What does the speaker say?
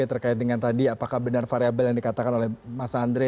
terkait dengan tadi apakah benar variable yang dikatakan oleh mas andre